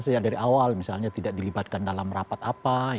sejak dari awal misalnya tidak dilibatkan dalam rapat apa